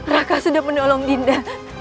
raka sudah menolong dinda